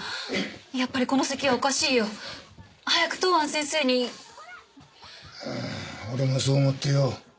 やっぱりこのせきはおかしいよ早く東庵先生にああ俺もそう思ってよ